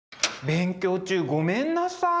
勉強中ごめんなさい。